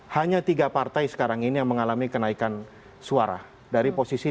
hanya tiga partai sekarang ini yang mengalami kenaikan suara dari posisi dua ribu empat belas